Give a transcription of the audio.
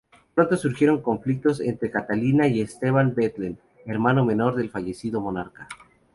Pronto surgieron conflictos entre Catalina y Esteban Bethlen, hermano menor del fallecido monarca.